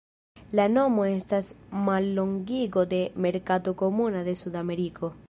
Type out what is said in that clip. La nomo estas mallongigo de "Merkato Komuna de Sudameriko".